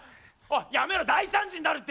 やめろ大惨事になるって！